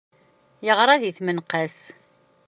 Yeɣra di tmenqas.